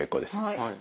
はい。